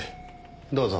どうぞ。